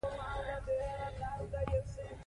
کرکټرونو نومونه له واقعي کسانو اخیستل شوي و.